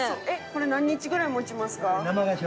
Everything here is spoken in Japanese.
これ何日ぐらい持ちますか？